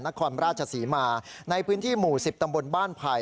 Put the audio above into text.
นครราชศรีมาในพื้นที่หมู่๑๐ตำบลบ้านไผ่